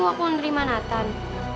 kakak mau aku nerima nathan